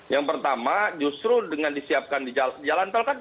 yang pertama justru dengan disiapkan di jalan tol kan